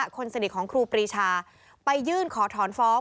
คนสนิทของครูปรีชาไปยื่นขอถอนฟ้อง